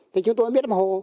thì chúng tôi không biết bác hồ